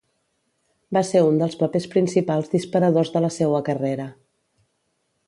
Va ser un dels papers principals disparadors de la seua carrera.